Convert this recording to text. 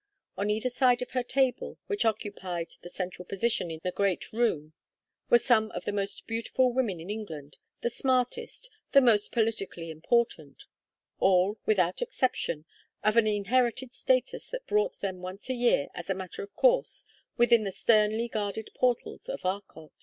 On either side of her table, which occupied the central position in the great room, were some of the most beautiful women in England, the smartest, the most politically important; all, without exception, of an inherited status that brought them once a year as a matter of course within the sternly guarded portals of Arcot.